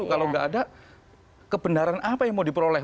kalau nggak ada kebenaran apa yang mau diperoleh